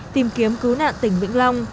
tìm kiếm cứu nạn tỉnh vĩnh long